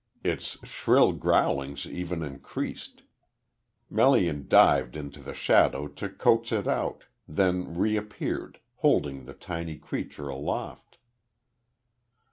Its shrill growlings even increased. Melian dived into the shadow to coax it out, then reappeared, holding the tiny creature aloft.